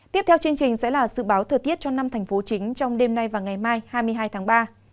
tiếp theo chương trình sẽ là dự báo thời tiết cho năm thành phố chính trong đêm nay và ngày mai hai mươi hai tháng ba